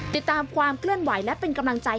ติดตามความเคลื่อนไหวและเป็นกำลังใจ